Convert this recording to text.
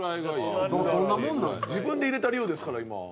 自分で入れた量ですから今。